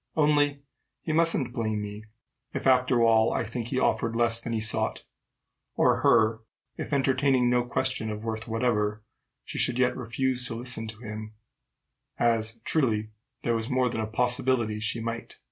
Only he mustn't blame me, if, after all, I should think he offered less than he sought; or her, if, entertaining no question of worth whatever, she should yet refuse to listen to him as, truly, there was more than a possibility she might.